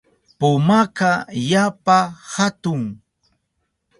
Pumaka yapa hatun.